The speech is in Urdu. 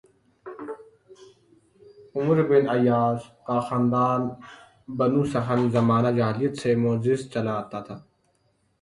"عمروبن العاص کا خاندان "بنوسہم"زمانہ جاہلیت سے معزز چلا آتا تھا"